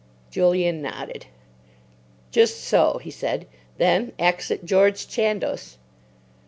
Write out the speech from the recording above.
Julian nodded. "Just so," he said. "Then exit George Chandos."